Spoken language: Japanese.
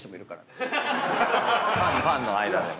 ファンの間でも。